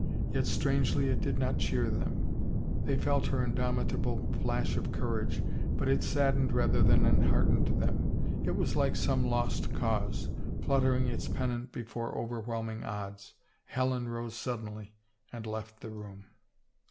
Yet strangely it did not cheer them ; they felt her indomitable flash of courage but it saddened rather than enheartened them; it was like some lost cause fluttering its pennant before overwhelming odds, Helen rose suddenly and left the room.